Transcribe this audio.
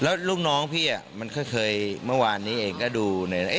แล้วลูกน้องพี่อะมันเคยเคยเมื่อวานนี้เองก็ดูน่ะเอ๊ะ